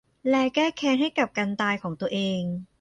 และแก้แค้นให้กับการตายของตัวเอง